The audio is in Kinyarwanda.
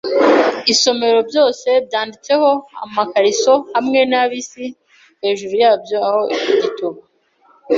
isomero, byose byanditseho amakariso hamwe na bisi hejuru yabyo, aho igituba